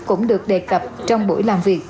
cũng được đề cập trong buổi làm việc